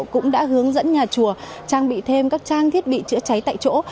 cũng đã hướng dẫn nhà chùa trang bị thêm các trang thiết bị chữa cháy tại chỗ